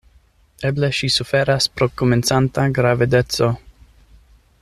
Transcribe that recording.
Eble ŝi suferas pro komencanta gravedeco.